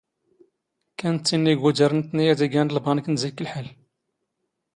ⴽⴽⴰⵏ ⵜⵜ ⵉⵏⵏ ⵉⴳⵓⴷⴰⵔ ⵏⵜⵜⵏⵉ ⴰⴷ ⵉⴳⴰⵏ ⵍⴱⴰⵏⴽ ⵏ ⵣⵉⴽⴽ ⵍⵃⴰⵍ.